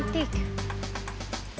dandan dipanggil mas mas